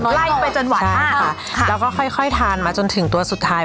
ไล่ไปจนหวานค่ะใช่ค่ะค่ะเราก็ค่อยค่อยทานมาจนถึงตัวสุดท้าย